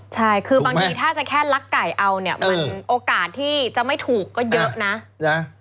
ใช่คือบางทีถ้าจะแค่ลักไก่เอาเนี่ยมันโอกาสที่จะไม่ถูกก็เยอะนะ